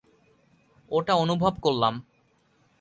ওটা অনুভব করলাম।